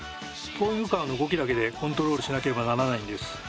トーイングカーの動きだけでコントロールしなければならないんです。